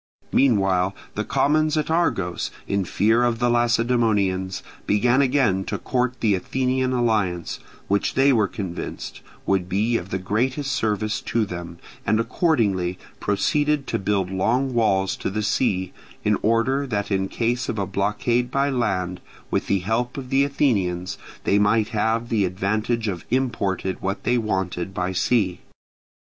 Meanwhile the commons at Argos, in fear of the Lacedaemonians, began again to court the Athenian alliance, which they were convinced would be of the greatest service to them; and accordingly proceeded to build long walls to the sea, in order that in case of a blockade by land; with the help of the Athenians they might have the advantage of importing what they wanted by sea.